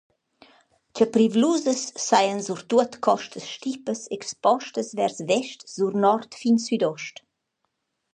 Cha privlusas sajan surtuot costas stipas expostas vers vest sur nord fin südost.